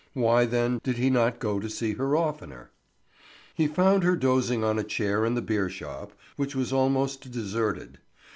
Why, then, did he not go to see her oftener? He found her dozing on a chair in the beer shop, which was almost deserted.